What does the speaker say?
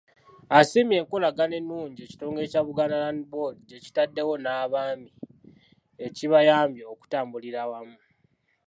Asiimye enkolagaana ennungi ekitongole kya Buganda Land Board gye kitaddewo n'Abaami ekibayambye okutambulira awamu.